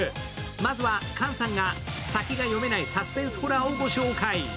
まずは菅さんが、先が読めないサスペンスホラーをご紹介。